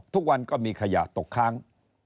ทุกวันก็มีขยะตกค้าง